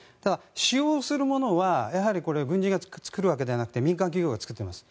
使用するものは軍人が作るわけではなくて民間企業が作っています。